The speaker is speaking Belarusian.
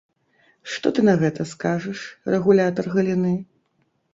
Што ты на гэта скажаш, рэгулятар галіны?